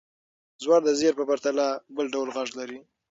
زور د زېر په پرتله بل ډول غږ لري.